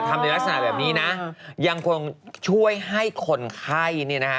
ในลักษณะแบบนี้นะยังคงช่วยให้คนไข้เนี่ยนะคะ